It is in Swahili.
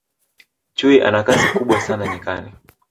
chui ana Kasi kubwa sana nyikani